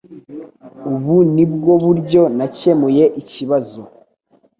Ubu ni bwo buryo nakemuye ikibazo.